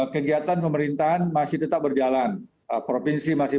kegiatan pemerintahan masih tetap berjalan provinsi masih